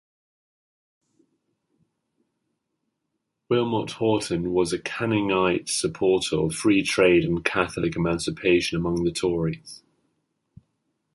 Wilmot-Horton was a Canningite supporter of free trade and Catholic emancipation among the Tories.